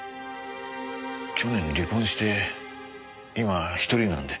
去年離婚して今１人なんで。